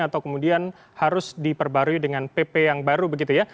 atau kemudian harus diperbarui dengan pp yang baru begitu ya